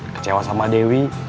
kecewa sama dewi